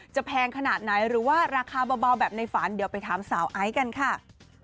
แพงขนาดไหนหรือว่าราคาเบาแบบในฝันเดี๋ยวไปถามสาวไอซ์กันค่ะ